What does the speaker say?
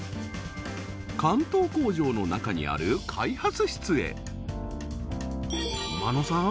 関東工場の中にある開発室へ真野さん